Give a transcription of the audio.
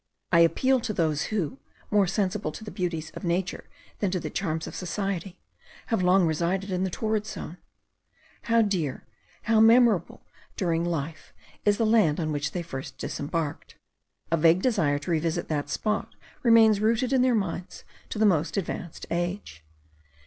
I appeal to those who, more sensible to the beauties of nature than to the charms of society, have long resided in the torrid zone. How dear, how memorable during life, is the land on which they first disembarked! A vague desire to revisit that spot remains rooted in their minds to the most advanced age.